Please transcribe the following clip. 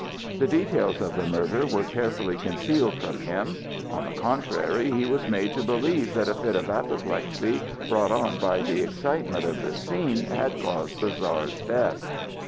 The details of the murder were carefully concealed from him; on the contrary, he was made to believe that a fit of apoplexy brought on by the excitement of the scene had caused the Czar's death.